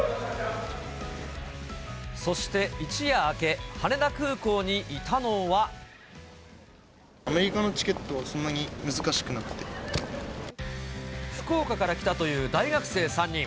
そして一夜明け、羽田空港にアメリカのチケットはそんな福岡から来たという大学生３人。